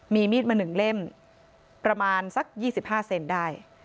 มีมีดมา๑เล่มประมาณสัก๒๕เซนได้